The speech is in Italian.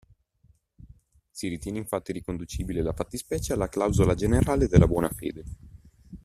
Si ritiene infatti riconducibile la fattispecie alla clausola generale della buona fede.